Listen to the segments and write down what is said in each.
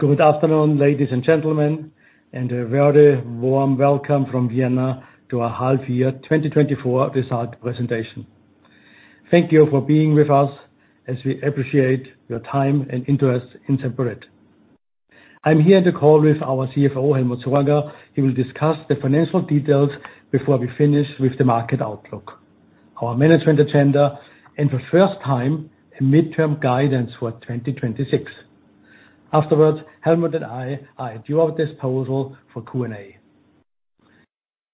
Good afternoon, ladies and gentlemen, and a very warm welcome from Vienna to our Half-Year 2024 Results Presentation. Thank you for being with us, as we appreciate your time and interest in Semperit. I'm here on the call with our CFO, Helmut Sorger. He will discuss the financial details before we finish with the market outlook, our management agenda, and for the first time, a midterm guidance for 2026. Afterwards, Helmut and I are at your disposal for Q&A.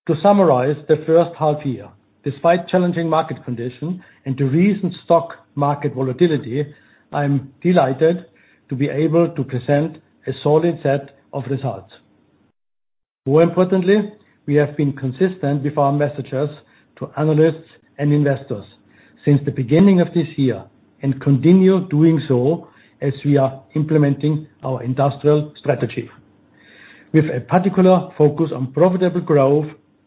To summarize the first half year, despite challenging market conditions and the recent stock market volatility, I'm delighted to be able to present a solid set of results. More importantly, we have been consistent with our messages to analysts and investors since the beginning of this year, and continue doing so as we are implementing our Industrial strategy, with a particular focus on profitable growth,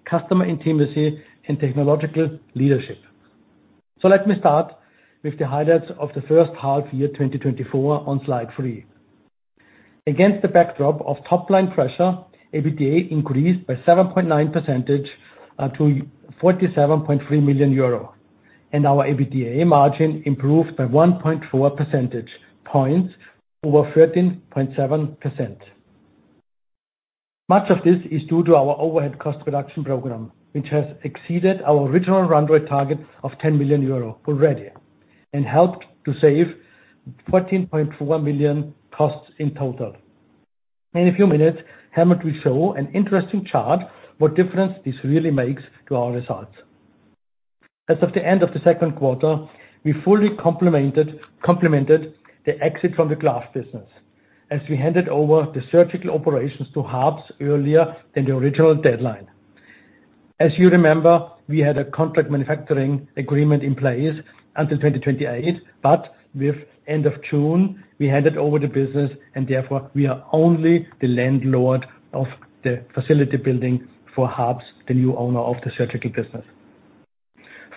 customer intimacy, and technological leadership. So let me start with the highlights of the first half year, 2024, on slide 3. Against the backdrop of top line pressure, EBITDA increased by 7.9% to 47.3 million euro, and our EBITDA margin improved by 1.4 percentage points over 13.7%. Much of this is due to our overhead cost reduction program, which has exceeded our original run rate target of 10 million euro already, and helped to save 14.4 million costs in total. In a few minutes, Helmut will show an interesting chart, what difference this really makes to our results. As of the end of the second quarter, we fully complemented the exit from the glove business, as we handed over the surgical operations to Harps earlier than the original deadline. As you remember, we had a contract manufacturing agreement in place until 2028, but with end of June, we handed over the business, and therefore we are only the landlord of the facility building for Harps, the new owner of the surgical business.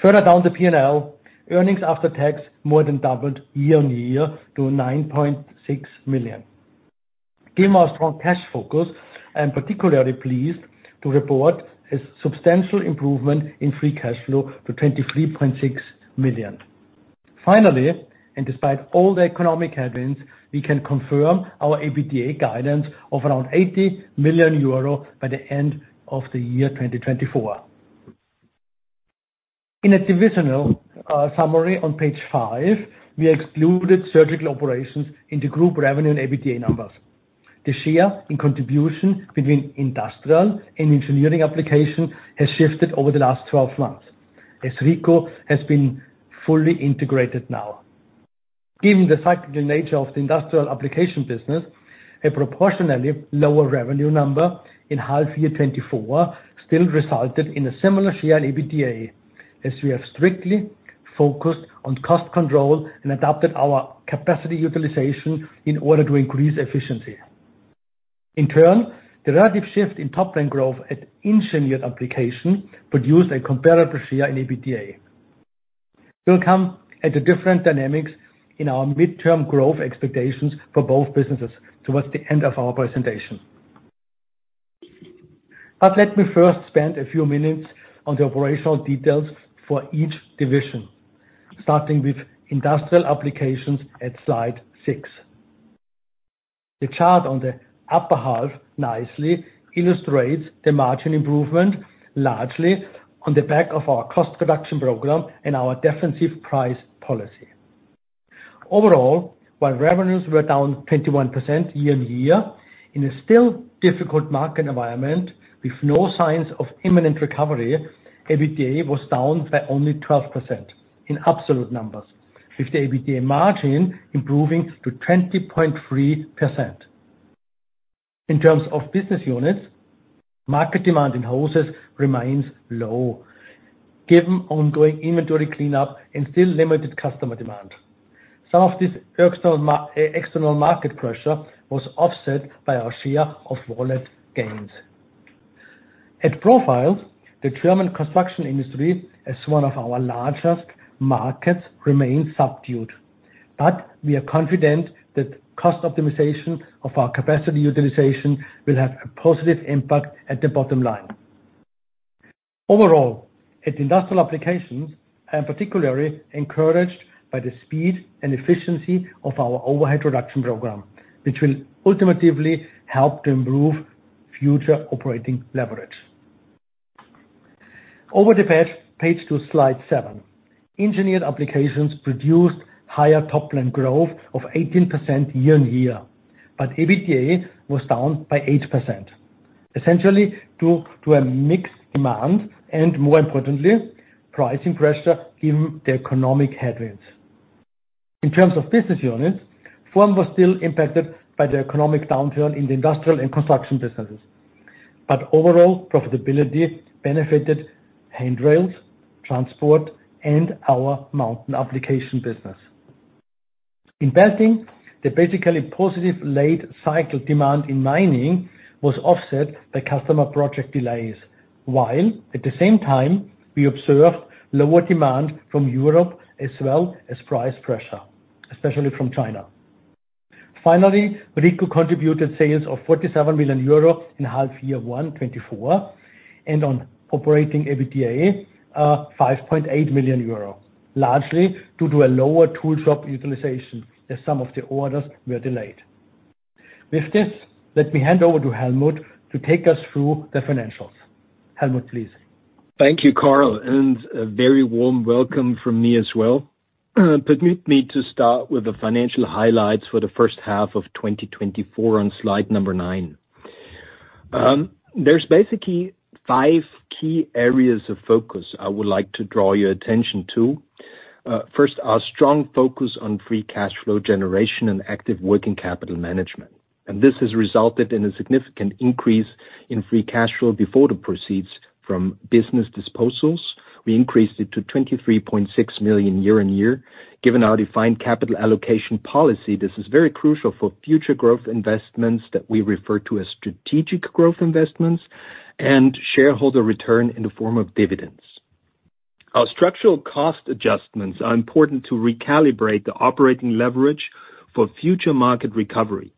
Further down the P&L, earnings after tax more than doubled YoY to 9.6 million. Given our strong cash focus, I'm particularly pleased to report a substantial improvement in free cash flow to 23.6 million. Finally, and despite all the economic headwinds, we can confirm our EBITDA guidance of around 80 million euro by the end of the year 2024. In a divisional summary on page 5, we excluded surgical operations in the group revenue and EBITDA numbers. The share in contribution between Industrial and Engineered Applications has shifted over the last 12 months, as Rico has been fully integrated now. Given the cyclical nature of the Industrial Applications business, a proportionally lower revenue number in half year 2024 still resulted in a similar share in EBITDA, as we have strictly focused on cost control and adapted our capacity utilization in order to increase efficiency. In turn, the relative shift in top-line growth at Engineered Applications produced a comparable share in EBITDA. We'll come at the different dynamics in our mid-term growth expectations for both businesses towards the end of our presentation. But let me first spend a few minutes on the operational details for each division, starting with Industrial Applications at slide 6. The chart on the upper half nicely illustrates the margin improvement, largely on the back of our cost reduction program and our defensive price policy. Overall, while revenues were down 21% YoY, in a still difficult market environment with no signs of imminent recovery, EBITDA was down by only 12% in absolute numbers, with the EBITDA margin improving to 20.3%. In terms of business units, market demand in Hoses remains low, given ongoing inventory cleanup and still limited customer demand. Some of this external market pressure was offset by our share of wallet gains. At Profiles, the German construction industry, as one of our largest markets, remains subdued, but we are confident that cost optimization of our capacity utilization will have a positive impact at the bottom line. Overall, at Industrial Applications, I am particularly encouraged by the speed and efficiency of our overhead reduction program, which will ultimately help to improve future operating leverage. Over the page to slide seven. Engineered Applications produced higher top-line growth of 18% YoY, but EBITDA was down by 8%, essentially due to a mixed demand and more importantly, pricing pressure, given the economic headwinds. In terms of business units, Form was still impacted by the economic downturn in the Industrial and construction businesses, but overall profitability benefited handrails, transport, and our mining application business. In Belting, the basically positive late cycle demand in mining was offset by customer project delays, while at the same time, we observed lower demand from Europe as well as price pressure, especially from China. Finally, Rico contributed sales of 47 million euro in half year 1 2024, and on operating EBITDA, 5.8 million euro, largely due to a lower tool shop utilization, as some of the orders were delayed. With this, let me hand over to Helmut to take us through the financials. Helmut, please. Thank you, Karl, and a very warm welcome from me as well. Permit me to start with the financial highlights for the first half of 2024 on slide number 9. There's basically five key areas of focus I would like to draw your attention to. First, our strong focus on free cash flow generation and active working capital management, and this has resulted in a significant increase in free cash flow before the proceeds from business disposals. We increased it to 23.6 million YoY. Given our defined capital allocation policy, this is very crucial for future growth investments that we refer to as strategic growth investments and shareholder return in the form of dividends. Our structural cost adjustments are important to recalibrate the operating leverage for future market recovery,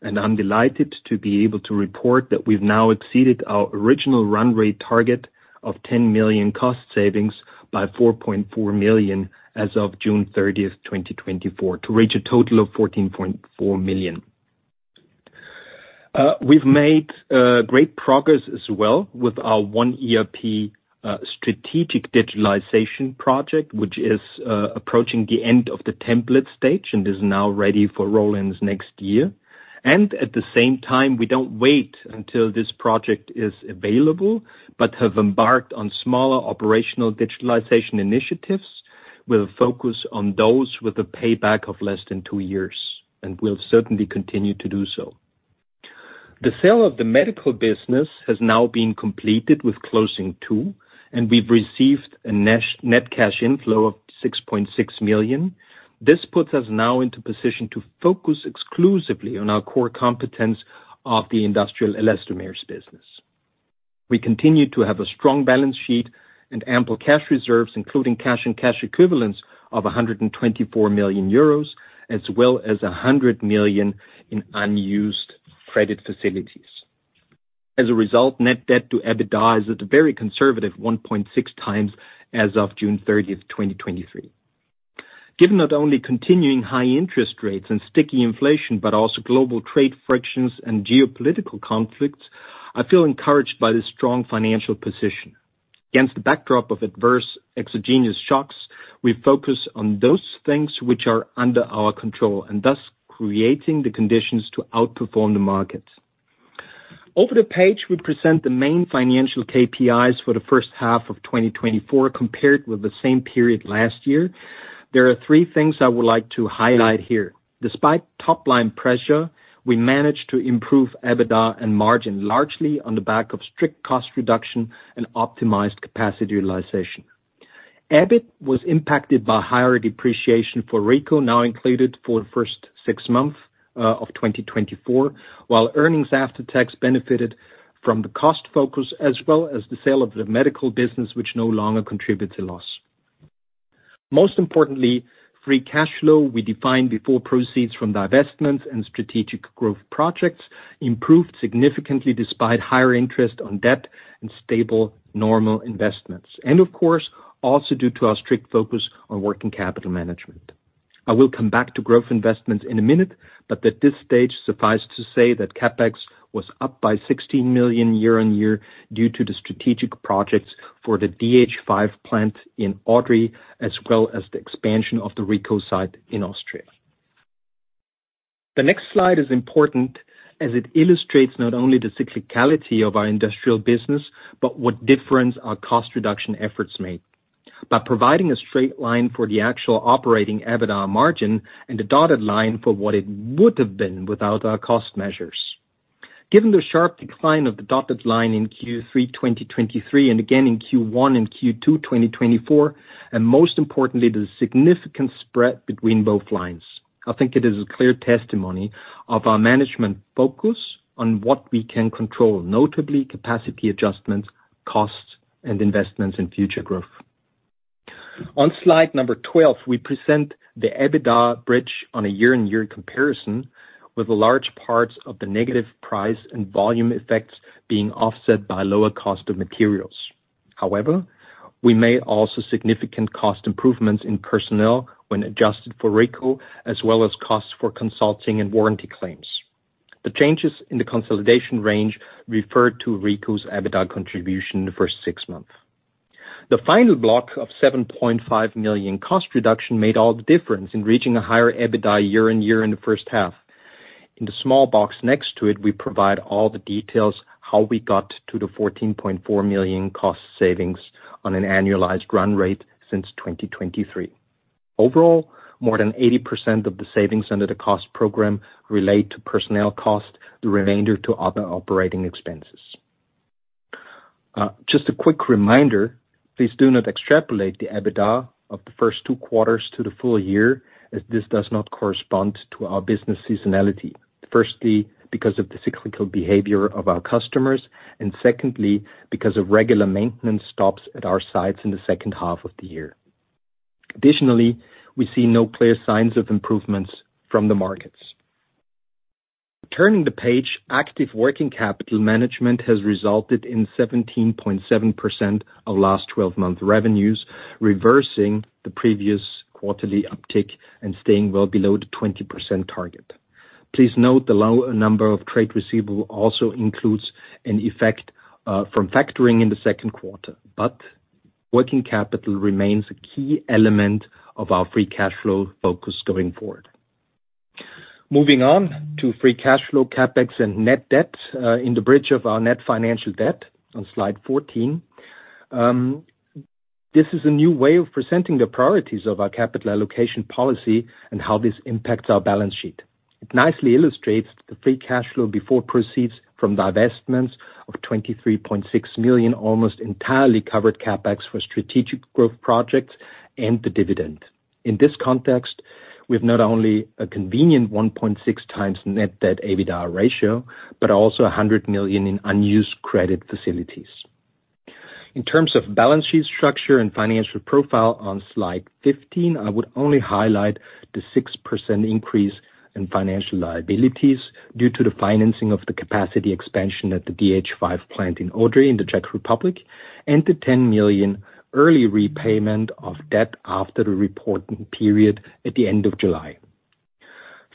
and I'm delighted to be able to report that we've now exceeded our original run rate target of 10 million cost savings by 4.4 million as of June thirtieth, 2024, to reach a total of 14.4 million. We've made great progress as well with our ONE ERP strategic digitalization project, which is approaching the end of the template stage and is now ready for roll-ins next year. At the same time, we don't wait until this project is available, but have embarked on smaller operational digitalization initiatives, with a focus on those with a payback of less than two years, and we'll certainly continue to do so. The sale of the medical business has now been completed with Closing 2, and we've received a net cash inflow of 6.6 million. This puts us now into position to focus exclusively on our core competence of the Industrial elastomers business. We continue to have a strong balance sheet and ample cash reserves, including cash and cash equivalents of 124 million euros, as well as 100 million in unused credit facilities. As a result, net debt to EBITDA is at a very conservative 1.6 times as of June 30th, 2023. Given not only continuing high interest rates and sticky inflation, but also global trade frictions and geopolitical conflicts, I feel encouraged by this strong financial position. Against the backdrop of adverse exogenous shocks, we focus on those things which are under our control and thus creating the conditions to outperform the market. Over the page, we present the main financial KPIs for the first half of 2024 compared with the same period last year. There are three things I would like to highlight here. Despite top-line pressure, we managed to improve EBITDA and margin, largely on the back of strict cost reduction and optimized capacity utilization. EBIT was impacted by higher depreciation for Rico, now included for the first six months of 2024, while earnings after tax benefited from the cost focus as well as the sale of the medical business, which no longer contributes a loss. Most importantly, free cash flow we defined before proceeds from divestments and strategic growth projects, improved significantly despite higher interest on debt and stable normal investments, and of course, also due to our strict focus on working capital management. I will come back to growth investments in a minute, but at this stage, suffice to say that CapEx was up by 16 million YoY due to the strategic projects for the DH5 plant in Odry, as well as the expansion of the Rico site in Austria. The next slide is important as it illustrates not only the cyclicality of our Industrial business, but what difference our cost reduction efforts make. By providing a straight line for the actual operating EBITDA margin and a dotted line for what it would have been without our cost measures. Given the sharp decline of the dotted line in Q3 2023, and again in Q1 and Q2 2024, and most importantly, the significant spread between both lines, I think it is a clear testimony of our management focus on what we can control, notably capacity adjustments, costs, and investments in future growth. On slide number 12, we present the EBITDA bridge on a YoY comparison, with large parts of the negative price and volume effects being offset by lower cost of materials. However, we made also significant cost improvements in personnel when adjusted for Rico, as well as costs for consulting and warranty claims. The changes in the consolidation range refer to Rico's EBITDA contribution in the first six months. The final block of 7.5 million cost reduction made all the difference in reaching a higher EBITDA YoY in the first half. In the small box next to it, we provide all the details, how we got to the 14.4 million cost savings on an annualized run rate since 2023. Overall, more than 80% of the savings under the cost program relate to personnel costs, the remainder to other operating expenses. Just a quick reminder. Please do not extrapolate the EBITDA of the first two quarters to the full year, as this does not correspond to our business seasonality. Firstly, because of the cyclical behavior of our customers, and secondly, because of regular maintenance stops at our sites in the second half of the year. Additionally, we see no clear signs of improvements from the markets. Turning the page, active working capital management has resulted in 17.7% of last twelve-month revenues, reversing the previous quarterly uptick and staying well below the 20% target. Please note, the low number of trade receivable also includes an effect from factoring in the second quarter, but working capital remains a key element of our free cash flow focus going forward. Moving on to free cash flow, CapEx, and net debt in the bridge of our net financial debt on slide 14. This is a new way of presenting the priorities of our capital allocation policy and how this impacts our balance sheet. It nicely illustrates the free cash flow before proceeds from divestments of 23.6 million, almost entirely covered CapEx for strategic growth projects and the dividend. In this context, we have not only a convenient 1.6x net debt EBITDA ratio, but also 100 million in unused credit facilities. In terms of balance sheet structure and financial profile on slide 15, I would only highlight the 6% increase in financial liabilities due to the financing of the capacity expansion at the DH5 plant in Odry, in the Czech Republic, and the 10 million early repayment of debt after the reporting period at the end of July.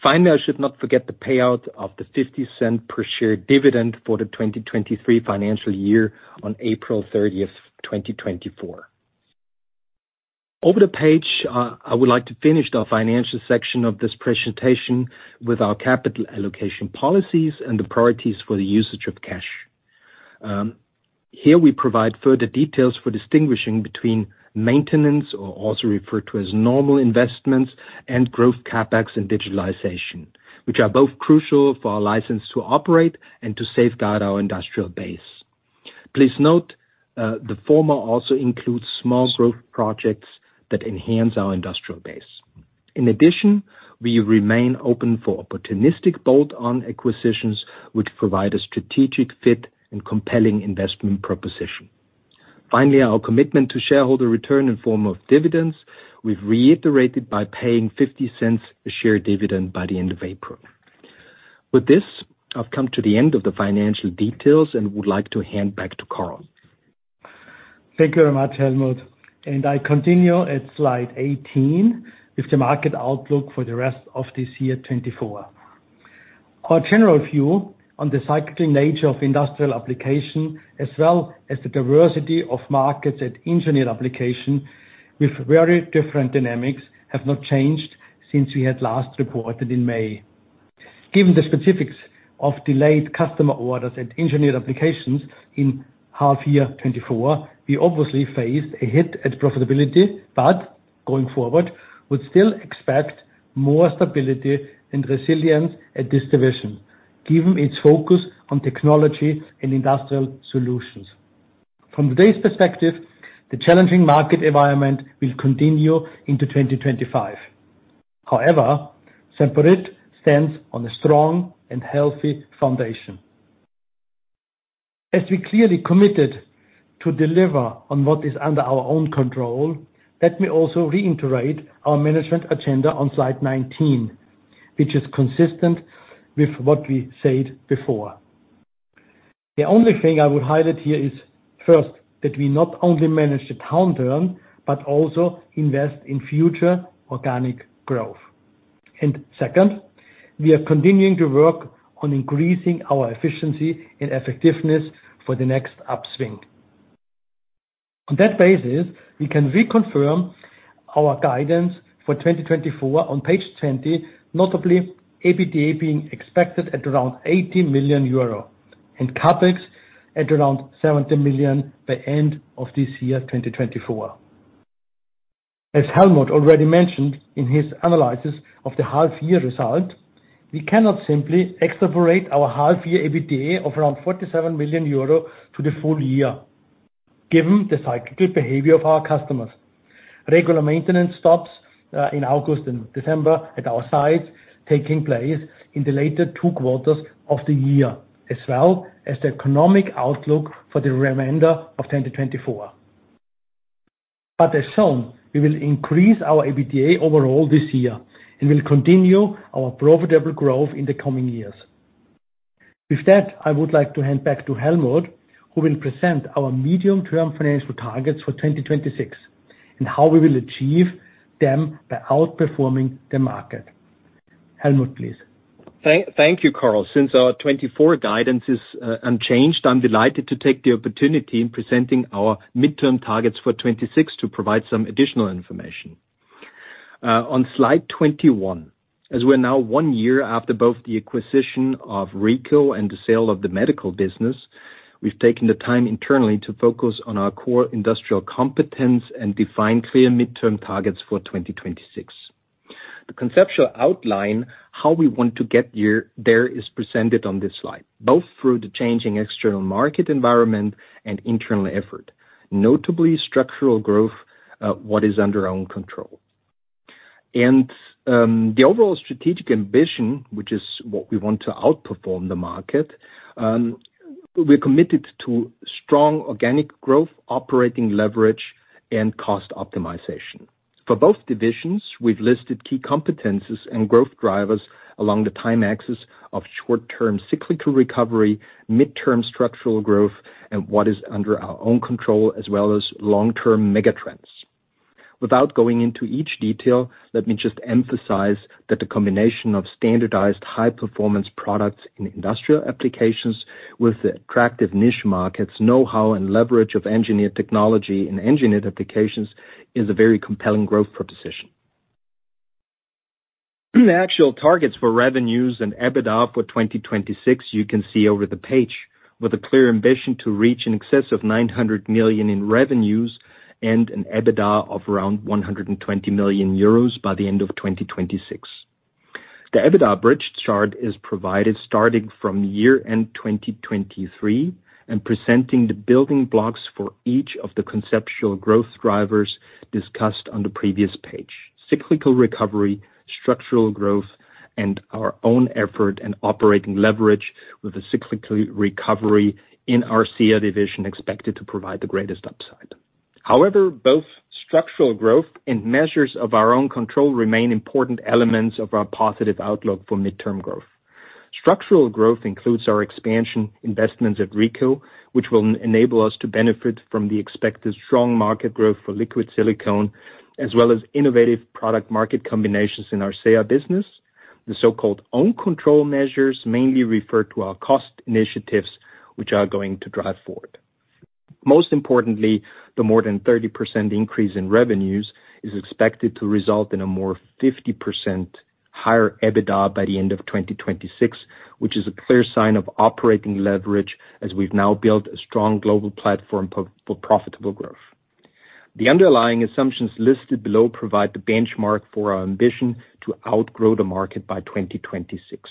Finally, I should not forget the payout of the 0.50 per share dividend for the 2023 financial year on April 30th, 2024. Over the page, I would like to finish the financial section of this presentation with our capital allocation policies and the priorities for the usage of cash. Here we provide further details for distinguishing between maintenance, or also referred to as normal investments, and growth CapEx and digitalization, which are both crucial for our license to operate and to safeguard our Industrial base. Please note, the former also includes small growth projects that enhance our Industrial base. In addition, we remain open for opportunistic bolt-on acquisitions, which provide a strategic fit and compelling investment proposition. Finally, our commitment to shareholder return in form of dividends, we've reiterated by paying 0.50 a share dividend by the end of April. With this, I've come to the end of the financial details and would like to hand back to Karl. Thank you very much, Helmut, and I continue at slide 18 with the market outlook for the rest of this year, 2024. Our general view on the cycling nature of Industrial Application, as well as the diversity of markets and Engineered Application with very different dynamics, have not changed since we had last reported in May. Given the specifics of delayed customer orders and Engineered Applications in half year 2024, we obviously faced a hit at profitability, but going forward, would still expect more stability and resilience at this division, given its focus on technology and Industrial solutions. From today's perspective, the challenging market environment will continue into 2025. However, Semperit stands on a strong and healthy foundation. As we clearly committed to deliver on what is under our own control, let me also reiterate our management agenda on slide 19, which is consistent with what we said before. The only thing I would highlight here is, first, that we not only manage the downturn, but also invest in future organic growth. And second, we are continuing to work on increasing our efficiency and effectiveness for the next upswing. On that basis, we can reconfirm our guidance for 2024 on page 20, notably, EBITDA being expected at around 80 million euro and CapEx at around 70 million by end of this year, 2024. As Helmut already mentioned in his analysis of the half year result, we cannot simply extrapolate our half year EBITDA of around 47 million euro to the full year, given the cyclical behavior of our customers. Regular maintenance stops in August and December at our sites, taking place in the later two quarters of the year, as well as the economic outlook for the remainder of 2024. But as shown, we will increase our EBITDA overall this year, and we'll continue our profitable growth in the coming years. With that, I would like to hand back to Helmut, who will present our medium-term financial targets for 2026 and how we will achieve them by outperforming the market. Helmut, please. Thank you, Karl. Since our 2024 guidance is unchanged, I'm delighted to take the opportunity in presenting our midterm targets for 2026 to provide some additional information. On slide 21, as we're now one year after both the acquisition of Rico and the sale of the medical business, we've taken the time internally to focus on our core Industrial competence and define clear midterm targets for 2026. The conceptual outline, how we want to get here, there, is presented on this slide, both through the changing external market environment and internal effort, notably structural growth, what is under our own control. And the overall strategic ambition, which is what we want to outperform the market, we're committed to strong organic growth, operating leverage, and cost optimization. For both divisions, we've listed key competencies and growth drivers along the time axis of short-term cyclical recovery, midterm structural growth, and what is under our own control, as well as long-term megatrends. Without going into each detail, let me just emphasize that the combination of standardized high-performance products in Industrial Applications with the attractive niche markets, know-how, and leverage of engineered technology and Engineered Applications, is a very compelling growth proposition. The actual targets for revenues and EBITDA for 2026, you can see over the page, with a clear ambition to reach in excess of 900 million in revenues and an EBITDA of around 120 million euros by the end of 2026. The EBITDA bridge chart is provided starting from year-end 2023, and presenting the building blocks for each of the conceptual growth drivers discussed on the previous page: cyclical recovery, structural growth, and our own effort and operating leverage with the cyclical recovery in our SEA division, expected to provide the greatest upside. However, both structural growth and measures of our own control remain important elements of our positive outlook for midterm growth. Structural growth includes our expansion investments at Rico, which will enable us to benefit from the expected strong market growth for liquid silicone, as well as innovative product market combinations in our SEA business. The so-called own control measures mainly refer to our cost initiatives, which are going to drive forward. Most importantly, the more than 30% increase in revenues is expected to result in a more 50% higher EBITDA by the end of 2026, which is a clear sign of operating leverage as we've now built a strong global platform for profitable growth. The underlying assumptions listed below provide the benchmark for our ambition to outgrow the market by 2026.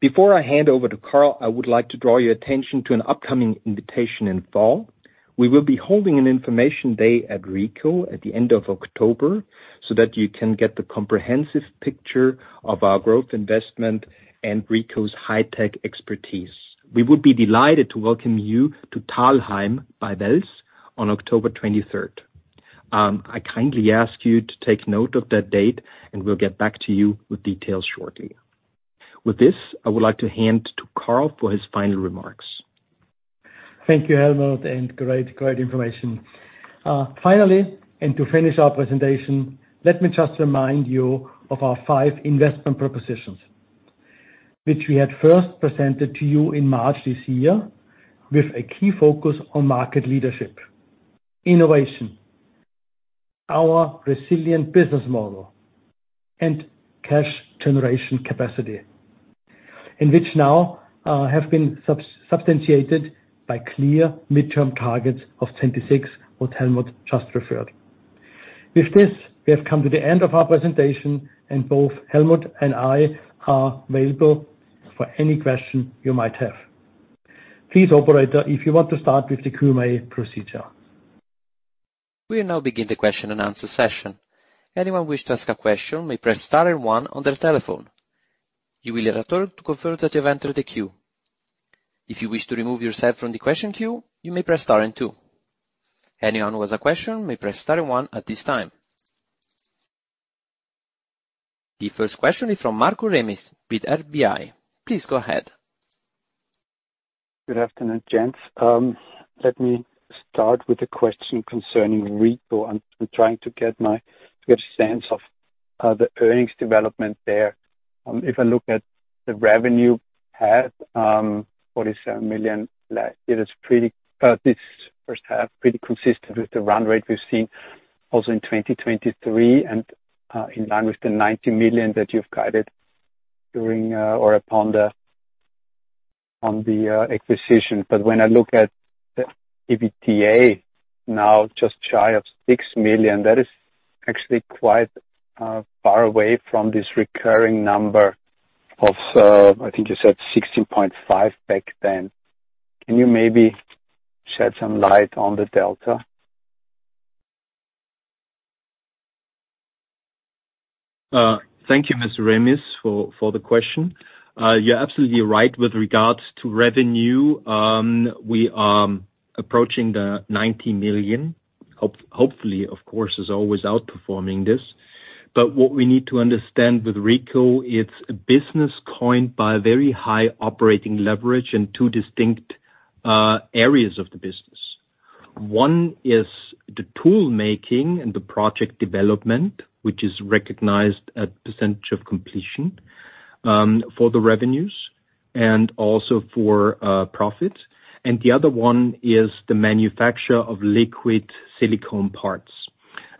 Before I hand over to Karl, I would like to draw your attention to an upcoming invitation in fall. We will be holding an information day at Rico at the end of October, so that you can get the comprehensive picture of our growth investment and Rico's high tech expertise. We would be delighted to welcome you to Thalheim bei Wels on October 23rd. I kindly ask you to take note of that date, and we'll get back to you with details shortly. With this, I would like to hand to Karl for his final remarks. Thank you, Helmut, and great, great information. Finally, and to finish our presentation, let me just remind you of our five investment propositions, which we had first presented to you in March this year, with a key focus on market leadership, innovation, our resilient business model, and cash generation capacity, and which now have been substantiated by clear midterm targets of 2026, what Helmut just referred. With this, we have come to the end of our presentation, and both Helmut and I are available for any question you might have. Please, operator, if you want to start with the Q&A procedure. We now begin the question-and-answer session. Anyone wish to ask a question, may press star and one on their telephone. You will hear a tone to confirm that you've entered the queue. If you wish to remove yourself from the question queue, you may press star and two. Anyone who has a question may press star and one at this time. The first question is from Markus Remis with RBI. Please go ahead. Good afternoon, gents. Let me start with a question concerning Rico. I'm trying to get a sense of the earnings development there. If I look at the revenue path, 47 million, like, it is pretty, this first half, pretty consistent with the run rate we've seen also in 2023, and in line with the 90 million that you've guided during or upon the acquisition. But when I look at the EBITDA, now just shy of 6 million, that is actually quite far away from this recurring number of, I think you said 16.5 back then. Can you maybe shed some light on the delta? Thank you, Mr. Remis, for the question. You're absolutely right with regards to revenue. We are approaching 90 million. Hopefully, of course, is always outperforming this. But what we need to understand with Rico, it's a business coined by very high operating leverage in two distinct areas of the business. One is the tool making and the project development, which is recognized at percentage of completion for the revenues and also for profit. And the other one is the manufacture of liquid silicone parts.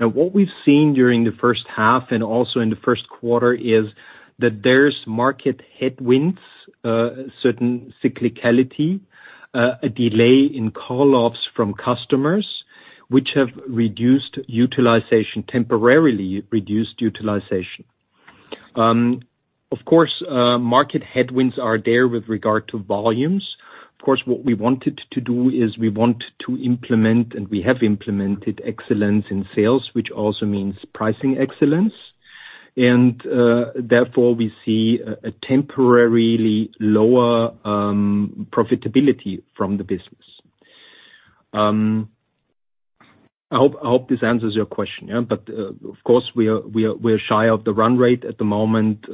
Now, what we've seen during the first half and also in the first quarter, is that there's market headwinds, a certain cyclicality, a delay in call offs from customers which have reduced utilization, temporarily reduced utilization. Of course, market headwinds are there with regard to volumes. Of course, what we wanted to do is we want to implement, and we have implemented excellence in sales, which also means pricing excellence. And therefore, we see a temporarily lower profitability from the business. I hope this answers your question, yeah? But of course, we are shy of the run rate at the moment,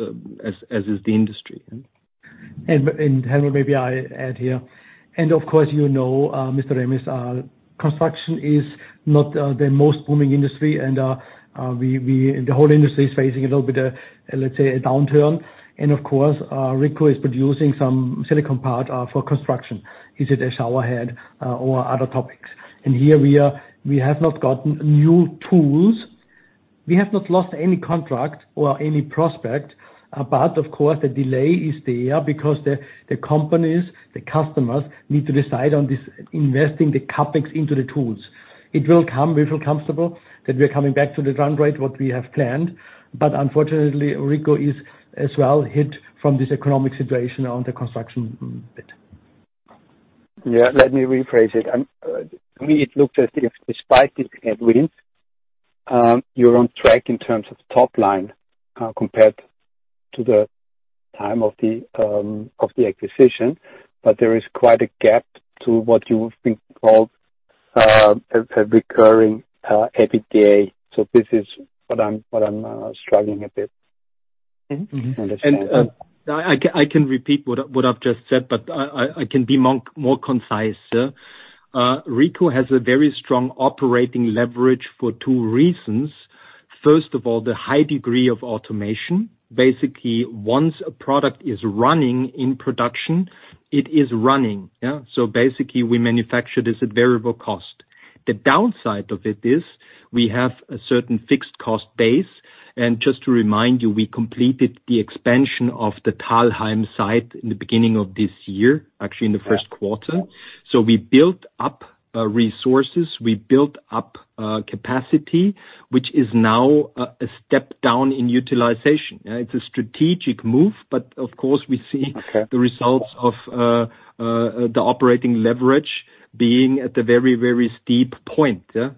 as is the industry. Helmut, maybe I add here. And of course, you know, Mr. Remis, construction is not the most booming industry, and the whole industry is facing a little bit, let's say, a downturn. And of course, Rico is producing some silicone part for construction, is it a shower head or other topics. And here we are, we have not gotten new tools. We have not lost any contract or any prospect, but of course, the delay is there because the companies, the customers, need to decide on this, investing the CapEx into the tools. It will come. We feel comfortable that we're coming back to the run rate, what we have planned, but unfortunately, Rico is as well hit from this economic situation on the construction bit. Yeah, let me rephrase it. To me, it looks as if despite this headwinds, you're on track in terms of top line, compared to the time of the acquisition, but there is quite a gap to what you would think called, a recurring EBITDA. So this is what I'm struggling a bit. Mm-hmm. Mm-hmm. Understand. I can repeat what I've just said, but I can be more concise. Rico has a very strong operating leverage for two reasons. First of all, the high degree of automation. Basically, once a product is running in production, it is running, yeah? So basically, we manufacture this at variable cost. The downside of it is, we have a certain fixed cost base. And just to remind you, we completed the expansion of the Thalheim site in the beginning of this year, actually in the first quarter. So we built up resources, we built up capacity, which is now a step down in utilization. It's a strategic move, but of course, we see- Okay... the results of the operating leverage being at a very, very steep point, yeah.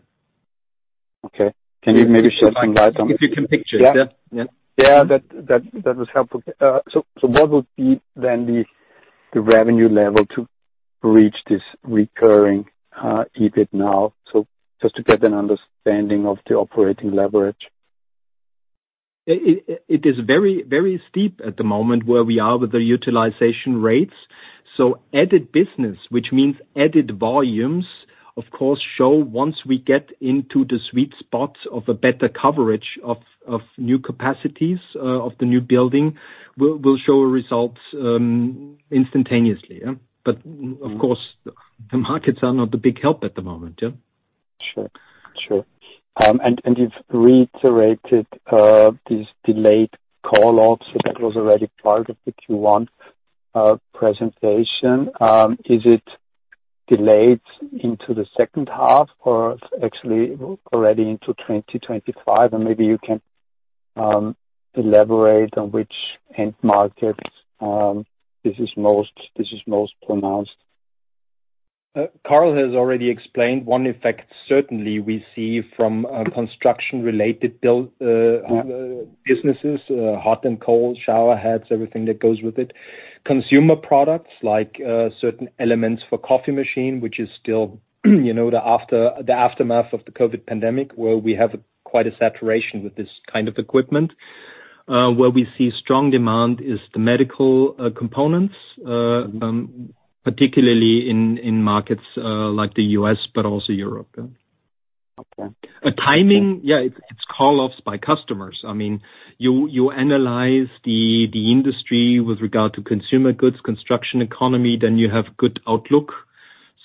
Okay. Can you maybe shed some light on- If you can picture it, yeah. Yeah. Yeah, that was helpful. So, what would be then the revenue level to reach this recurring EBITDA now? So just to get an understanding of the operating leverage. It is very, very steep at the moment where we are with the utilization rates. So added business, which means added volumes, of course, show once we get into the sweet spots of a better coverage of new capacities of the new building, we'll show results instantaneously. But of course, the markets are not a big help at the moment. Sure. Sure. And you've reiterated this delayed call outs. It was already part of the Q1 presentation. Is it delayed into the second half or actually already into 2025? And maybe you can elaborate on which end markets this is most pronounced. Karl has already explained one effect, certainly we see from construction-related build businesses, hot and cold shower heads, everything that goes with it. Consumer products, like, certain elements for coffee machine, which is still, you know, the aftermath of the COVID pandemic, where we have quite a saturation with this kind of equipment. Where we see strong demand is the medical components, particularly in markets like the U.S., but also Europe, yeah. Okay. The timing, yeah, it's call offs by customers. I mean, you analyze the industry with regard to consumer goods, construction economy, then you have good outlook.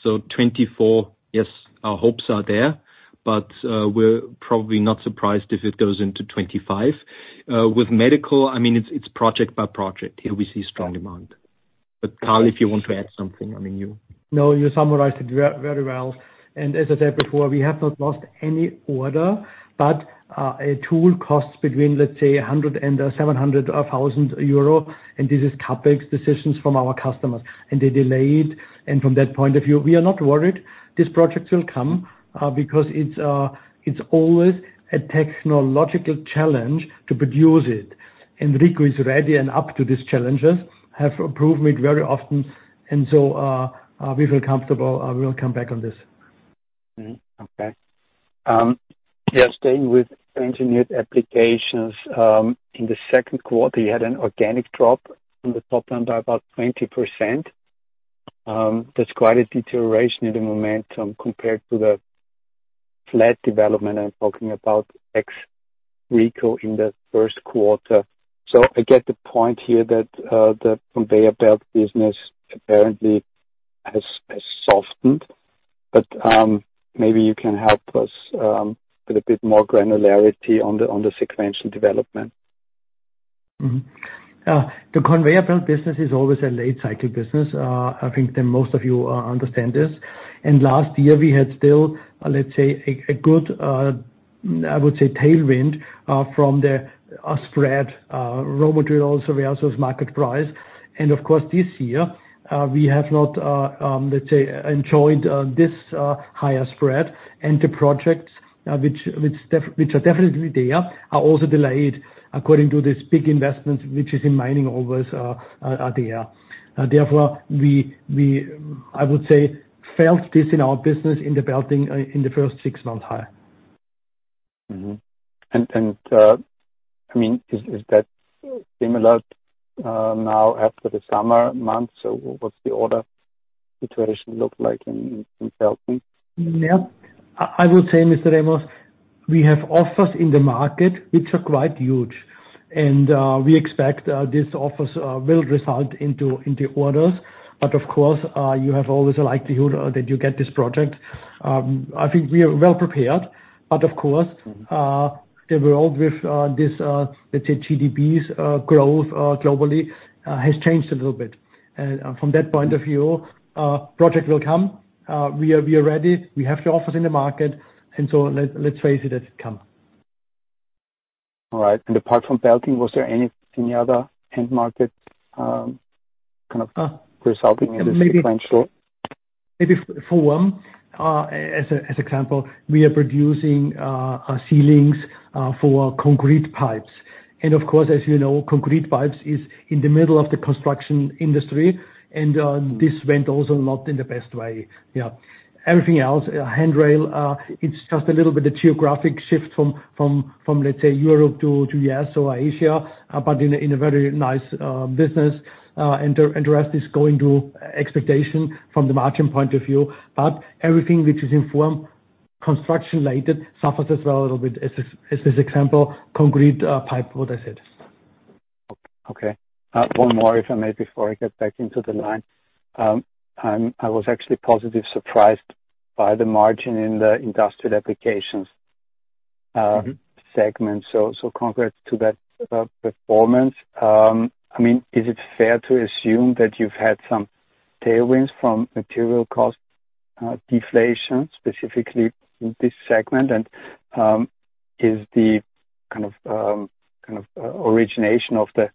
So 2024, yes, our hopes are there, but we're probably not surprised if it goes into 2025. With medical, I mean, it's project by project. Here we see strong demand. But, Karl, if you want to add something, I mean, you- No, you summarized it very well. And as I said before, we have not lost any order, but a tool costs between, let's say, 100 and 700 thousand euro, and this is CapEx decisions from our customers, and they delayed. And from that point of view, we are not worried. These projects will come, because it's always a technological challenge to produce it. And Rico is ready and up to these challenges, have improved it very often, and so we feel comfortable, we will come back on this. Mm-hmm. Okay. Yeah, staying with Engineered Applications, in the second quarter, you had an organic drop from the top line by about 20%. That's quite a deterioration in the momentum compared to the flat development. I'm talking about ex Rico in the first quarter. So I get the point here that the conveyor belt business apparently has softened. But, maybe you can help us with a bit more granularity on the sequential development. Mm-hmm. Yeah, the conveyor belt business is always a late cycle business. I think that most of you understand this. And last year we had still, let's say, a good, I would say, tailwind from the spread raw materials versus market price. And of course, this year we have not, let's say, enjoyed this higher spread. And the projects which are definitely there are also delayed according to this big investment, which is in mining overalls, are there. Therefore, we I would say felt this in our business, in the Belting, in the first six months high. Mm-hmm. And I mean, is that similar now after the summer months, or what's the order situation look like in Belting? Yeah. I would say, Mr. Remis, we have offers in the market which are quite huge, and we expect this offers will result into orders. But of course, you have always a likelihood that you get this project. I think we are well prepared, but of course- Mm-hmm... the role with this, let's say, GDP growth globally has changed a little bit. From that point of view, project will come. We are ready. We have the offers in the market, and so let's face it, let's come. All right. And apart from Belting, was there any other end market, kind of- Uh resulting in the sequential? Maybe for one, as an example, we are producing seals for concrete pipes. And of course, as you know, concrete pipes is in the middle of the construction industry, and this went also not in the best way. Yeah. Everything else, handrail, it's just a little bit of geographic shift from, let's say, Europe to U.S. or Asia, but in a very nice business. And the rest is going to expectation from the margin point of view. But everything which is in Form, construction-related, suffers as well, a little bit, as this example, concrete pipe, what I said. Okay. One more, if I may, before I get back into the line. I was actually positive surprised by the margin in the Industrial Applications- Mm-hmm segment, so congrats to that performance. I mean, is it fair to assume that you've had some tailwinds from material cost deflation, specifically in this segment? And, is the kind of origination of the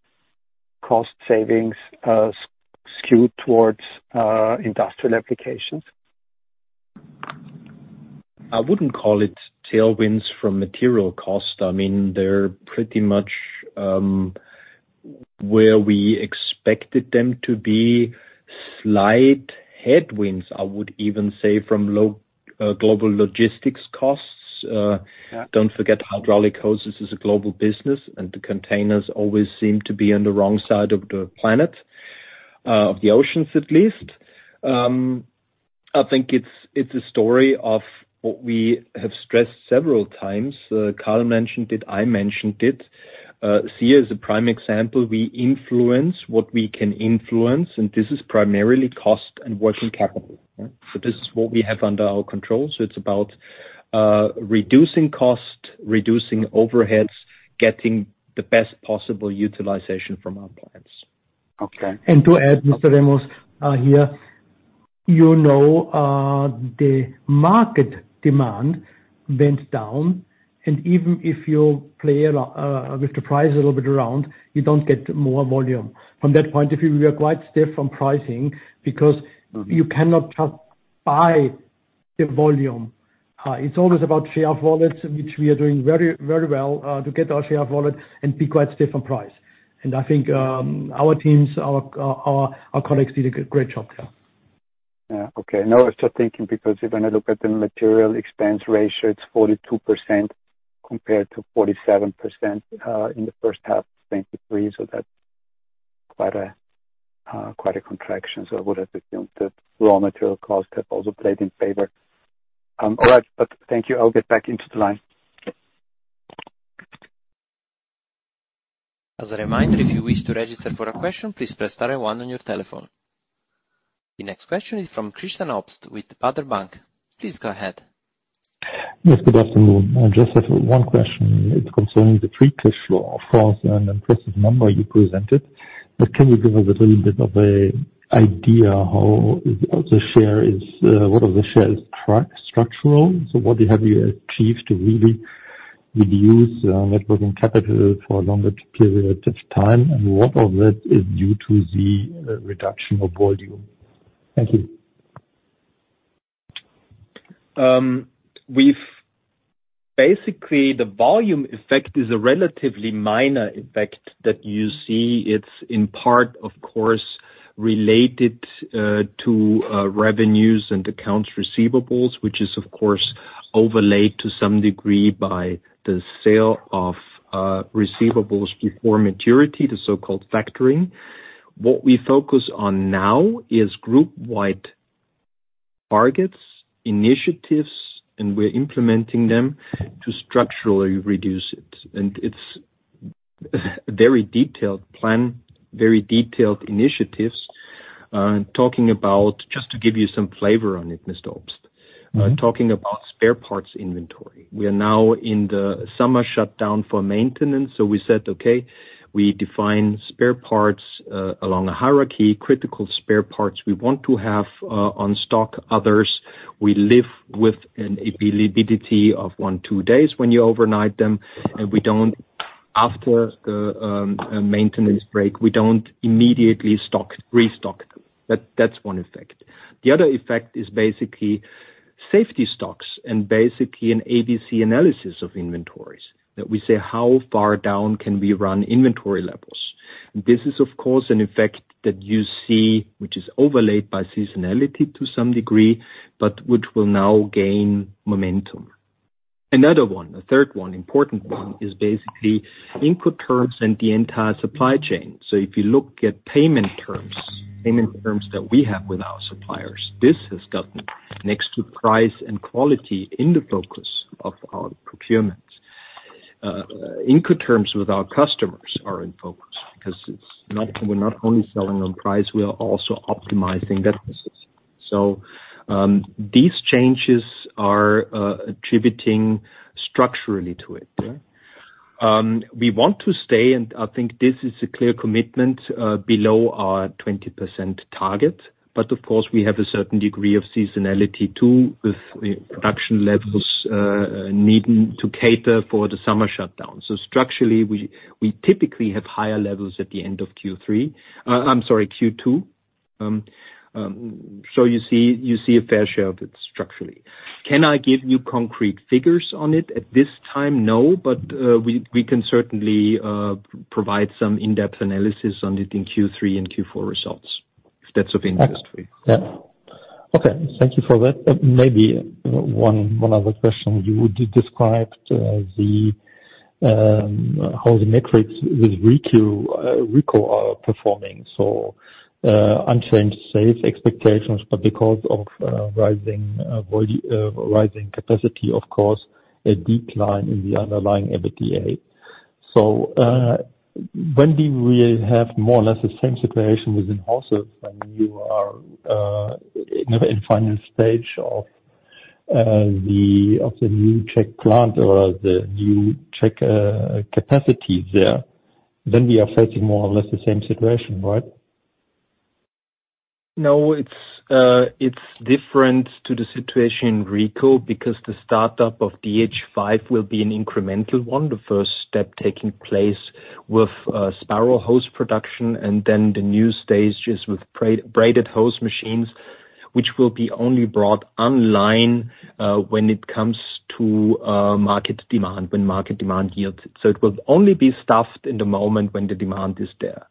cost savings skewed towards Industrial Applications? I wouldn't call it tailwinds from material cost. I mean, they're pretty much where we expected them to be. Slight headwinds, I would even say, from global logistics costs. Yeah. Don't forget, hydraulic Hoses is a global business, and the containers always seem to be on the wrong side of the planet, of the oceans, at least. I think it's a story of what we have stressed several times. Karl mentioned it, I mentioned it. SIA is a prime example. We influence what we can influence, and this is primarily cost and working capital. So this is what we have under our control. So it's about, reducing cost, reducing overheads, getting the best possible utilization from our clients. Okay. To add, Mr. Remis, here, you know, the market demand went down, and even if you play around with the price a little bit around, you don't get more volume. From that point of view, we are quite stiff on pricing because- Mm-hmm You cannot just buy the volume. It's always about share volumes, which we are doing very, very well, to get our share volume and be quite stiff on price. And I think, our teams, our colleagues did a great job there. Yeah. Okay. Now I was just thinking, because if I look at the material expense ratio, it's 42% compared to 47% in the first half of 2023, so that's quite a contraction. So I would assume the raw material costs have also played in favor. All right, but thank you. I'll get back into the line. As a reminder, if you wish to register for a question, please press star one on your telephone. The next question is from Christian Obst with Baader Bank. Please go ahead. Yes, good afternoon. I just have one question. It's concerning the free cash flow. Of course, an impressive number you presented, but can you give us a little bit of an idea how the share is, what of the share is structural? So what have you achieved to really reduce net working capital for a longer period of time, and what of it is due to the reduction of volume? Thank you. We've basically the volume effect is a relatively minor effect that you see. It's in part, of course, related to revenues and accounts receivables, which is, of course, overlaid to some degree by the sale of receivables before maturity, the so-called factoring. What we focus on now is group-wide targets, initiatives, and we're implementing them to structurally reduce it. And it's a very detailed plan, very detailed initiatives, talking about, just to give you some flavor on it, Mr. Obst. Talking about spare parts inventory. We are now in the summer shutdown for maintenance, so we said, okay, we define spare parts along a hierarchy, critical spare parts we want to have on stock, others we live with an availability of one, two days when you overnight them, and we don't, after the maintenance break, we don't immediately restock them. That's one effect. The other effect is basically safety stocks and basically an ABC analysis of inventories, that we say: How far down can we run inventory levels? This is, of course, an effect that you see, which is overlaid by seasonality to some degree, but which will now gain momentum. Another one, a third one, important one, is basically input terms and the entire supply chain. So if you look at payment terms, payment terms that we have with our suppliers, this has gotten next to price and quality in the focus of our procurement. Input terms with our customers are in focus, because it's not-- we're not only selling on price, we are also optimizing that business. So, these changes are, attributing structurally to it, yeah. We want to stay, and I think this is a clear commitment below our 20% target, but of course, we have a certain degree of seasonality, too, with the production levels needing to cater for the summer shutdown. So structurally, we typically have higher levels at the end of Q3, I'm sorry, Q2. So you see a fair share of it structurally. Can I give you concrete figures on it at this time? No, but we can certainly provide some in-depth analysis on it in Q3 and Q4 results, if that's of interest to you. Yeah. Okay, thank you for that. Maybe one, one other question. You described how the metrics with Rico, Rico are performing. So, unchanged save expectations, but because of rising capacity, of course, a decline in the underlying EBITDA. So, when do we have more or less the same situation within Hoses, when you are in the final stage of the new Czech plant or the new Czech capacity there, then we are facing more or less the same situation, right? No, it's different to the situation in Rico, because the startup of DH5 will be an incremental one, the first step taking place with spiral hose production, and then the new stages with braided hose machines, which will be only brought online when it comes to market demand, when market demand yields. So it will only be staffed in the moment when the demand is there.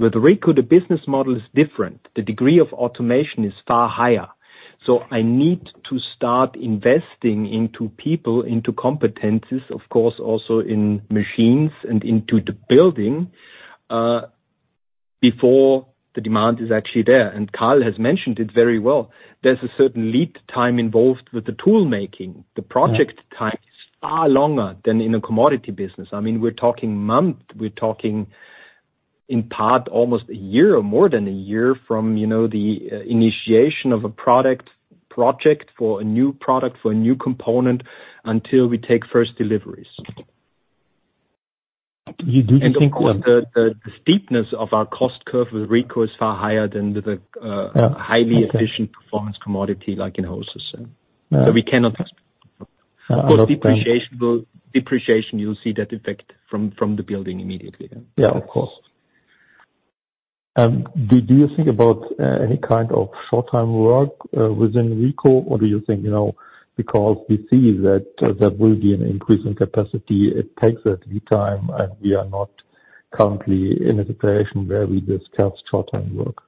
With Rico, the business model is different. The degree of automation is far higher. So I need to start investing into people, into competencies, of course, also in machines and into the building before the demand is actually there. And Karl has mentioned it very well. There's a certain lead time involved with the tool making. Yeah. The project time is far longer than in a commodity business. I mean, we're talking months, we're talking in part, almost a year or more than a year from, you know, the, initiation of a product, project for a new product, for a new component, until we take first deliveries. You do think that- Of course, the steepness of our cost curve with Rico is far higher than the... Yeah. Highly efficient performance commodity, like in Hoses. Yeah. Of course, depreciation will. You'll see that effect from the building immediately. Yeah. Of course. Do you think about any kind of short-term work within Rico, or do you think, you know, because we see that there will be an increase in capacity, it takes a lead time, and we are not currently in a situation where we discuss short-term work.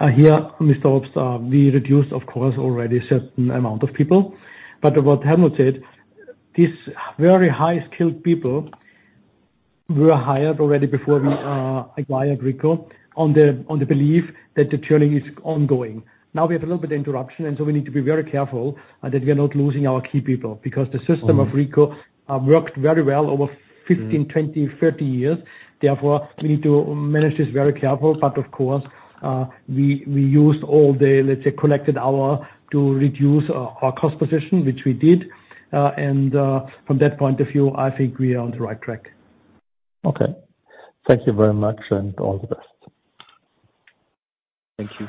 Here, Mr. Obst, we reduced, of course, already a certain amount of people. But what Helmut said, these very high-skilled people were hired already before we acquired Rico on the belief that the journey is ongoing. Now, we have a little bit of interruption, and so we need to be very careful that we are not losing our key people, because the system- Mm-hmm. -of Rico, worked very well over 15, 20, 30 years. Therefore, we need to manage this very careful. But of course, we used all the, let's say, collected hour to reduce our cost position, which we did. And, from that point of view, I think we are on the right track. Okay. Thank you very much, and all the best. Thank you.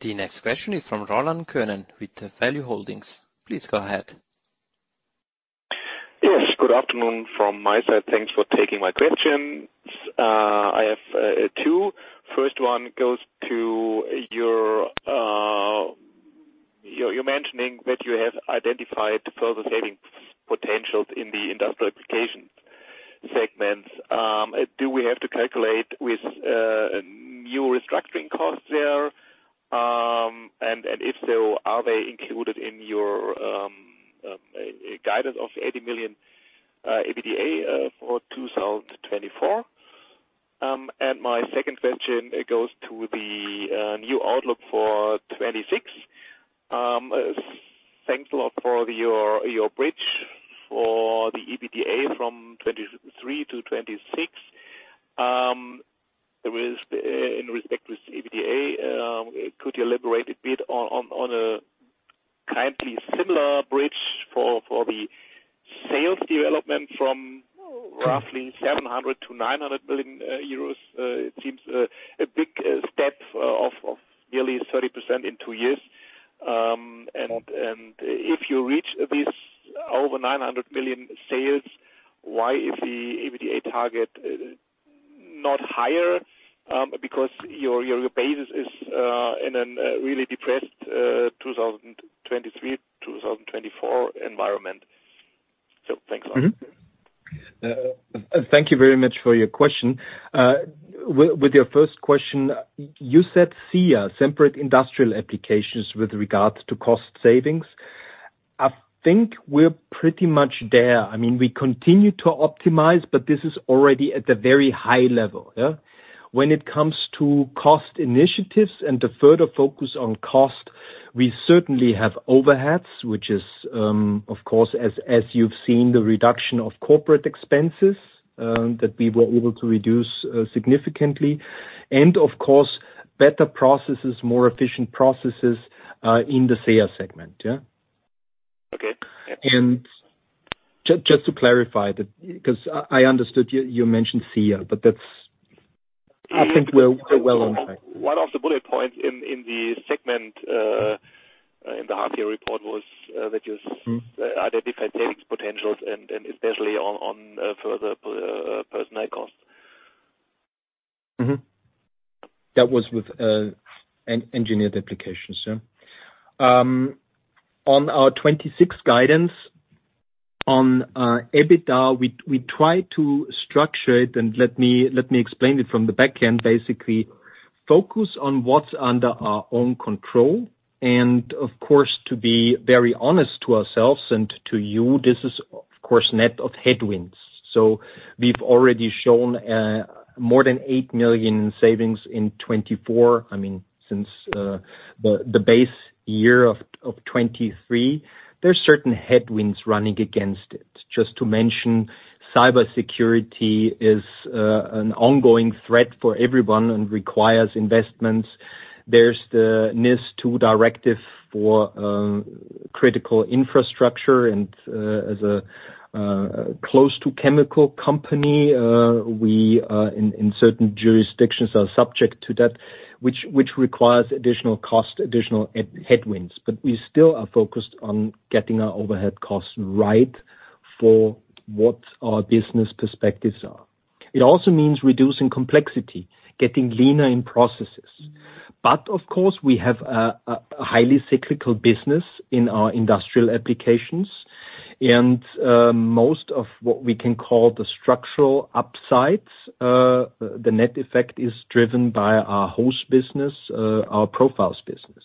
The next question is from Roland Könen with Value-Holdings. Please go ahead. Yes, good afternoon from my side. Thanks for taking my questions. I have two. First one goes to you. You're mentioning that you have identified further saving potentials in the Industrial Applications segments. Do we have to calculate with new restructuring costs there? And if so, are they included in your guidance of EUR 80 million EBITDA for 2024? And my second question, it goes to the new outlook for 2026. Thanks a lot for your bridge for the EBITDA from 2023-2026. There is, in respect with EBITDA, could you elaborate a bit on a kindly similar bridge for the sales development from roughly 700 million-900 million euros? It seems a big step of nearly 30% in two years. And if you reach this over EUR 900 million sales, why is the EBITDA target not higher? Because your basis is in a really depressed 2023, 2024 environment. So thanks a lot. Mm-hmm. Thank you very much for your question. With your first question, you said SIA, Semperit Industrial Applications, with regards to cost savings. I think we're pretty much there. I mean, we continue to optimize, but this is already at a very high level, yeah. When it comes to cost initiatives and the further focus on cost, we certainly have overheads, which is, of course, as you've seen, the reduction of corporate expenses, that we were able to reduce significantly, and of course, better processes, more efficient processes, in the SIA segment, yeah. Okay. Just to clarify, that because I understood you, you mentioned SIA, but that's, I think we're well on track. One of the bullet points in the segment in the half year report was that you- Mm. Identified savings potentials and especially on further personnel costs. Mm-hmm. That was with Engineered Applications, yeah. On our 2026 guidance on EBITDA, we tried to structure it, and let me explain it from the back end. Basically, focus on what's under our own control, and of course, to be very honest to ourselves and to you, this is of course net of headwinds. So we've already shown more than 8 million in savings in 2024. I mean, since the base year of 2023, there are certain headwinds running against it. Just to mention, cybersecurity is an ongoing threat for everyone and requires investments. There's the NIS2 directive for critical infrastructure and, as a close to chemical company, we in certain jurisdictions are subject to that, which requires additional cost, additional headwinds. But we still are focused on getting our overhead costs right for what our business perspectives are. It also means reducing complexity, getting leaner in processes. But of course, we have a highly cyclical business in our Industrial Applications, and most of what we can call the structural upsides, the net effect is driven by our Hoses business, our Profiles business.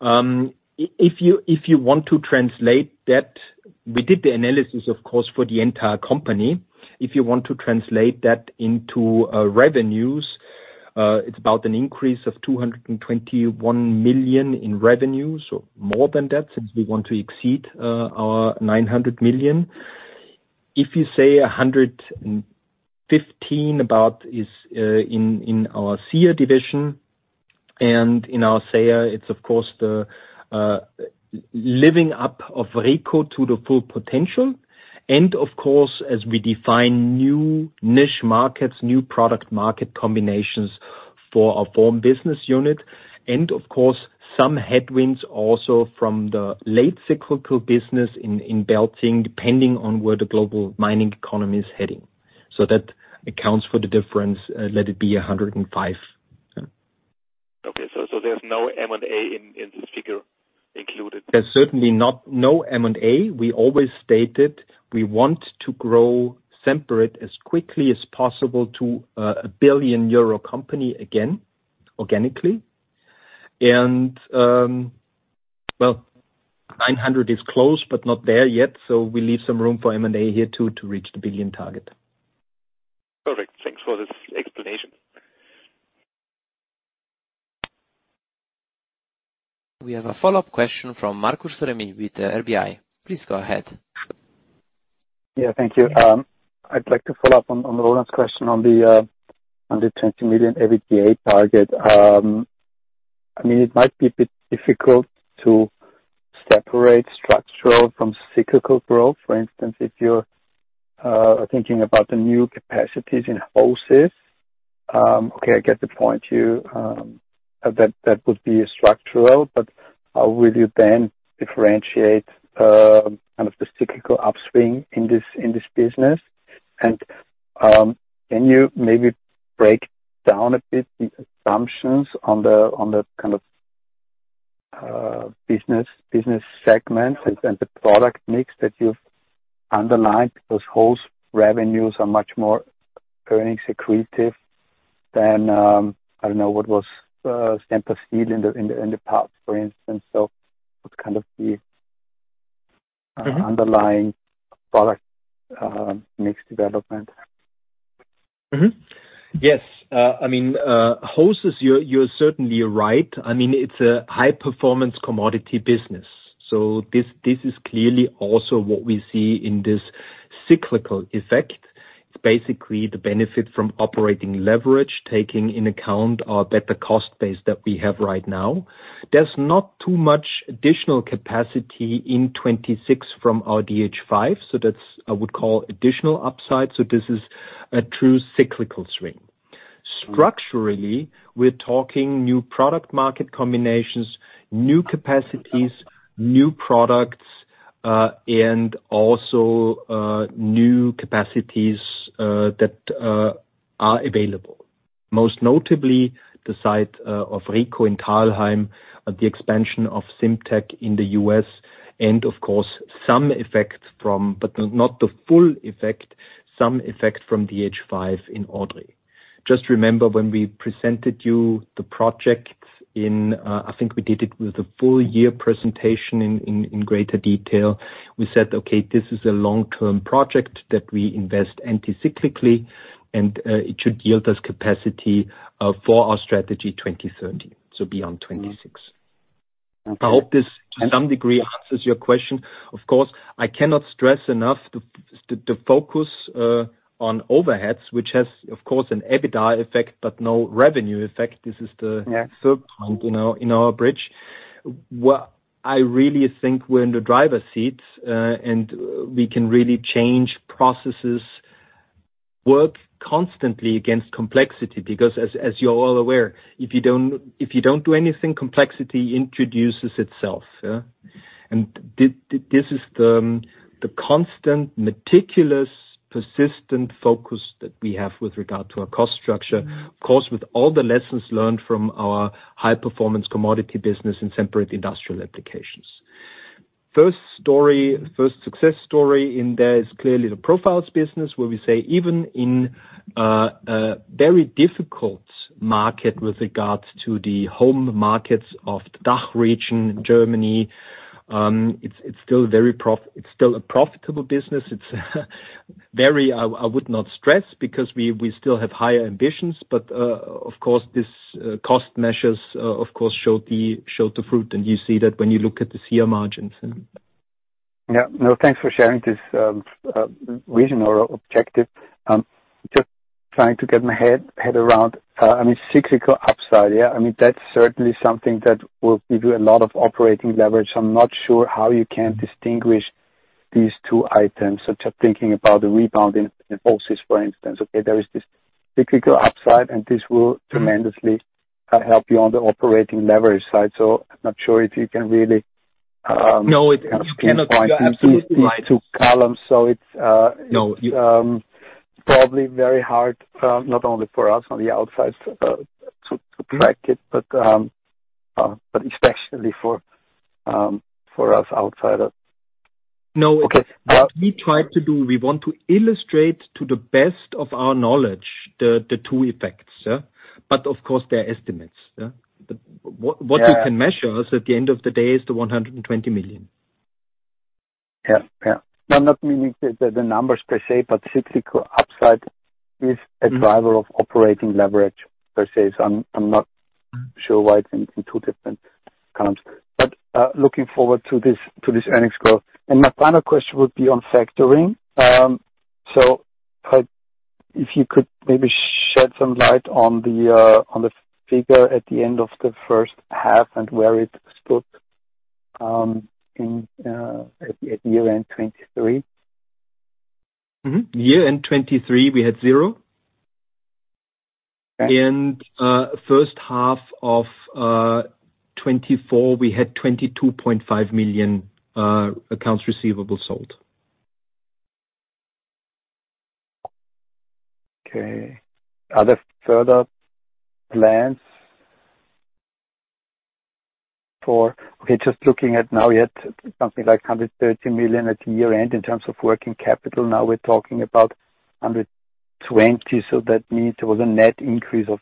If you want to translate that, we did the analysis, of course, for the entire company. If you want to translate that into revenues, it's about an increase of 221 million in revenue, so more than that, since we want to exceed our 900 million. If you say 115 about is in our SIA division and in our SEA, it's of course the living up of Rico to the full potential. And of course, as we define new niche markets, new product market combinations for our Form business unit, and of course, some headwinds also from the late cyclical business in Belting, depending on where the global mining economy is heading. So that accounts for the difference, let it be 105. Okay. So, there's no M&A in this figure included? There's certainly not, no M&A. We always stated we want to grow Semperit as quickly as possible to a 1 billion euro company again, organically. Well, 900 million is close, but not there yet, so we leave some room for M&A here, too, to reach the billion target. Perfect. Thanks for this explanation. We have a follow-up question from Markus Remis with RBI. Please go ahead. Yeah, thank you. I'd like to follow up on Roland's question on the 120 million EBITDA target. I mean, it might be a bit difficult to separate structural from cyclical growth. For instance, if you're thinking about the new capacities in Hoses. Okay, I get the point you that that would be structural, but will you then differentiate kind of the cyclical upswing in this in this business? And can you maybe break down a bit the assumptions on the on the kind of business business segments and and the product mix that you've underlined, those whole revenues are much more earnings sensitive than I don't know what was Semperit in the in the past, for instance. So what's kind of the underlying product mix development. Mm-hmm. Yes. I mean, Hoses, you're certainly right. I mean, it's a high-performance commodity business, so this is clearly also what we see in this cyclical effect. It's basically the benefit from operating leverage, taking in account our better cost base that we have right now. There's not too much additional capacity in 2026 from our DH5, so that's, I would call, additional upside. So this is a true cyclical swing. Structurally, we're talking new product market combinations, new capacities, new products, and also new capacities that are available. Most notably, the site of Rico in Thalheim, the expansion of Simtec in the US, and of course, some effect from, but not the full effect, some effect from DH5 in Odry. Just remember when we presented you the project in, I think we did it with the full year presentation in, in, in greater detail, we said, "Okay, this is a long-term project that we invest anti-cyclically, and, it should yield us capacity, for our strategy 2030, so beyond 26. Okay. I hope this, to some degree, answers your question. Of course, I cannot stress enough the focus on overheads, which has, of course, an EBITDA effect, but no revenue effect. This is the- Yeah. Third point in our bridge. What I really think we're in the driver's seat, and we can really change processes, work constantly against complexity, because as you're all aware, if you don't do anything, complexity introduces itself, yeah? And this is the constant, meticulous, persistent focus that we have with regard to our cost structure. Of course, with all the lessons learned from our high-performance commodity business and separate Industrial Applications. First story, first success story in there is clearly the profiles business, where we say even in a very difficult market with regards to the home markets of the DACH region, Germany, it's still a profitable business. It's very... I, I would not stress, because we, we still have higher ambitions, but, of course, this cost measures, of course, show the, show the fruit, and you see that when you look at the SG&A margins, and- Yeah. No, thanks for sharing this vision or objective. Just trying to get my head around. I mean, cyclical upside, yeah, I mean, that's certainly something that will give you a lot of operating leverage. I'm not sure how you can distinguish these two items, such as thinking about the rebound in Hoses, for instance. Okay, there is this cyclical upside, and this will tremendously help you on the operating leverage side. So I'm not sure if you can really- No, you cannot- These two columns, so it's- No. Probably very hard, not only for us on the outside to track it, but especially for us outsiders. No. Okay, uh- What we try to do, we want to illustrate, to the best of our knowledge, the two effects, yeah? But of course, they're estimates, yeah. Yeah. What we can measure also, at the end of the day, is the 120 million. Yeah, yeah. No, not meaning the numbers per se, but cyclical upside is a driver of operating leverage per se, so I'm not sure why it's in two different columns. But looking forward to this earnings growth. And my final question would be on factoring. So if you could maybe shed some light on the figure at the end of the first half and where it stood in at year-end 2023. Mm-hmm. Year-end 2023, we had zero. Okay. First half of 2024, we had 22.5 million accounts receivable sold. Okay. Are there further plans for... We're just looking at now, you had something like 130 million at year-end in terms of working capital. Now, we're talking about 120 million, so that means there was a net increase of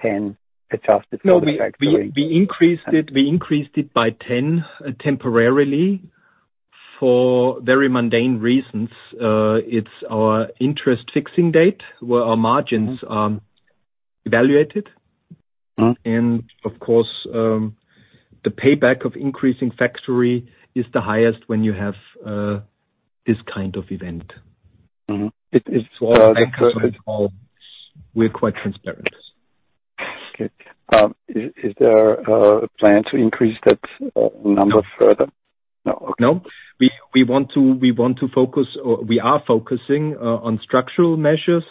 10 million adjusted for the- No, we increased it by 10, temporarily, for very mundane reasons. It's our interest fixing date, where our margins are evaluated. Mm-hmm. Of course, the payback of increasing factoring is the highest when you have this kind of event. Mm-hmm. It's all- Uh, the- We're quite transparent. Okay. Is there a plan to increase that number further? No. No. We want to focus or we are focusing on structural measures,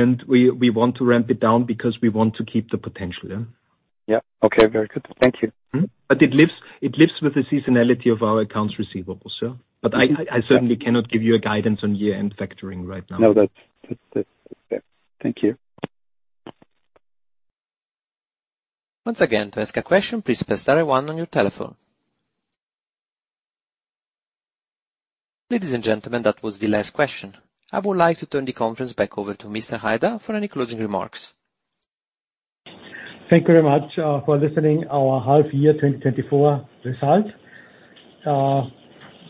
and we want to ramp it down because we want to keep the potential, yeah. Yeah. Okay, very good. Thank you. Mm-hmm. But it lives, it lives with the seasonality of our accounts receivables, yeah. Mm-hmm. But I certainly cannot give you a guidance on year-end factoring right now. No, that's... Thank you. Once again, to ask a question, please press star one on your telephone. Ladies and gentlemen, that was the last question. I would like to turn the conference back over to Mr. Haider for any closing remarks. Thank you very much for listening to our half-year 2024 results.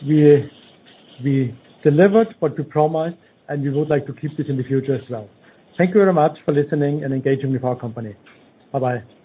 We delivered what we promised, and we would like to keep it in the future as well. Thank you very much for listening and engaging with our company. Bye-bye.